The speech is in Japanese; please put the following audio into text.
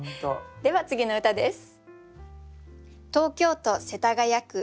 では次の歌です。